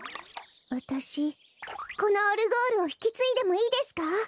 わたしこのオルゴールをひきついでもいいですか？